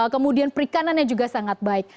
kemudian perikanannya juga sangat baik